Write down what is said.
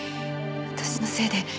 私のせいで。